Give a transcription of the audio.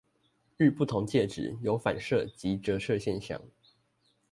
遇不同介質，有反射及折射現象